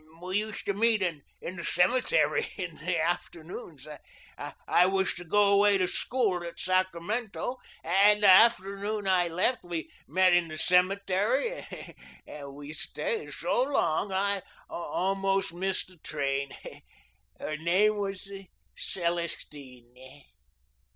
We used to meet in the cemetery in the afternoons. I was to go away to school at Sacramento, and the afternoon I left we met in the cemetery and we stayed so long I almost missed the train. Her name was Celestine."